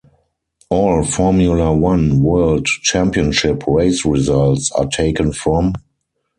"All Formula One World Championship race results are taken from "